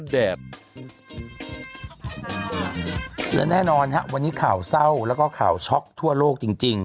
แบบและแน่นอนฮะวันนี้ข่าวเศร้าแล้วก็ข่าวช็อกทั่วโลกจริง